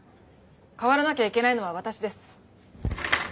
変わらなきゃいけないのは私です。